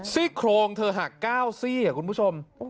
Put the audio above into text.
ซิคโครงเธอหัก๙ซี่ครับคุณผู้ชม